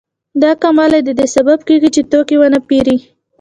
دا کموالی د دې سبب کېږي چې توکي ونه پېري